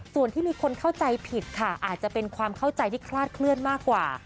ส่วนที่มีคนเข้าใจผิดค่ะอาจจะเป็นความเข้าใจที่คลาดเคลื่อนมากกว่า